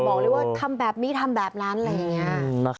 บอกเลยว่าทำแบบนี้ทำแบบนั้นอะไรอย่างนี้